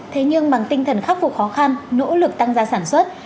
thế nhưng bằng tinh thần khắc phục khó khăn nỗ lực tăng gia sản xuất